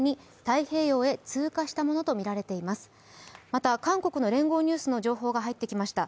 また、韓国の聯合ニュースの情報が入ってきました。